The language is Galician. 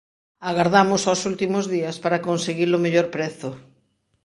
Agardamos aos últimos días para conseguir o mellor prezo.